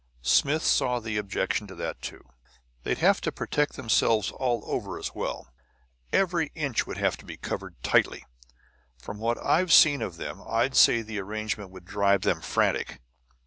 Smith saw the objection to that, too. "They'd have to protect themselves all over as well; every inch would have to be covered tightly. From what I've seen of them I'd say that the arrangement would drive them frantic.